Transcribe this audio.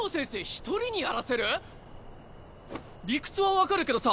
一人にやらせる⁉理屈は分かるけどさ